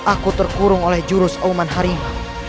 aku terkurung oleh jurus oman harimau